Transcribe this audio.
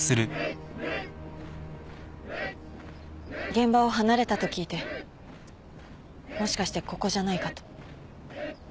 現場を離れたと聞いてもしかしてここじゃないかと。